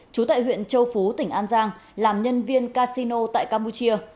trú tại huyện châu phú tỉnh an giang làm nhân viên casino tại campuchia